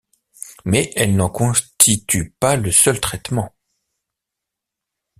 Mais elles n'en constituent pas le seul traitement.